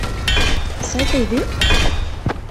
Tesɛiḍ aydi?